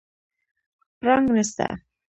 پړانګ نسته